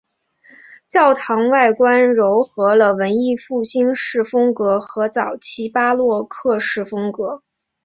教堂外观揉合了文艺复兴式风格和早期巴洛克式风格。